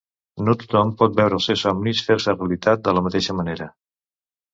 No tothom pot veure els seus somnis fer-se realitat de la mateixa manera.